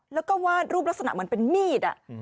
แล้วก็วาดรูปลักษณะเหมือนเป็นมีด